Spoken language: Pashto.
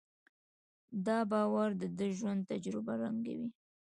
دا باور د ده د ژوند تجربه رنګوي.